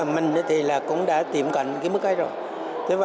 mình cũng đã tiệm cận mức ấy rồi